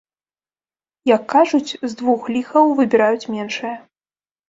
Як кажуць, з двух ліхаў выбіраюць меншае.